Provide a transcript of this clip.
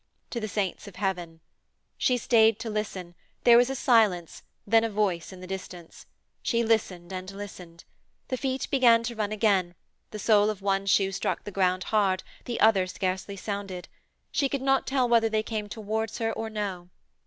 to the saints of heaven. She stayed to listen; there was a silence, then a voice in the distance. She listened and listened. The feet began to run again, the sole of one shoe struck the ground hard, the other scarcely sounded. She could not tell whether they came towards her or no.